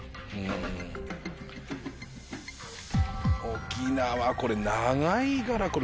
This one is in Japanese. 沖縄長いからこれ。